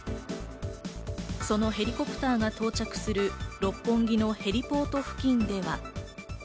そのヘリコプターが到着する六本木のヘリポート付近では。